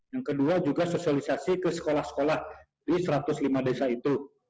yang kedua juga sosialisasi ke sekolah sekolah di satu ratus lima desa itu